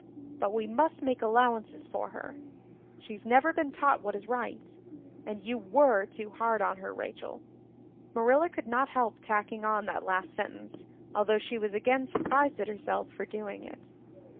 But we must make allowances for her. She's never been taught what is right. And you were too hard on her, Rachel." Marilla could not help tacking on that last sentence, although she was again surprised at herself for doing it.